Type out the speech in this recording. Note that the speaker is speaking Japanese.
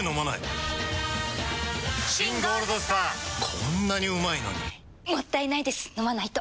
こんなにうまいのにもったいないです、飲まないと。